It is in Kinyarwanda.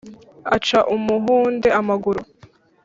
Aca Umuhunde amaguru.